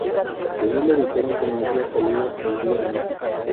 Allí le dijeron que había salido el día antes.